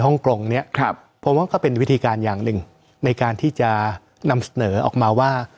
กงเนี่ยครับผมว่าก็เป็นวิธีการอย่างหนึ่งในการที่จะนำเสนอออกมาว่า